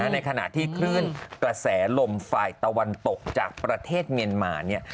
ในขณะที่ขึ้นกระแสลมไฟตะวันตกจากประเทศเมียนมานี่